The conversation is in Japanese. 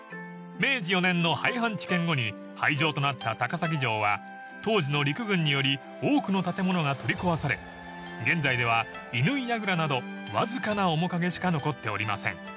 ［明治４年の廃藩置県後に廃城となった高崎城は当時の陸軍により多くの建物が取り壊され現在では乾櫓などわずかな面影しか残っておりません］